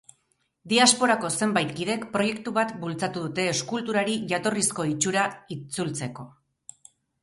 Diasporako zenbait kidek proiektu bat bultzatu dute eskulturari jatorrizko itxura itzutzeko.